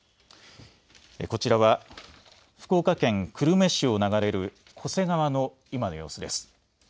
こちらは福岡県久留米市を流れる巨瀬川の今の様子です。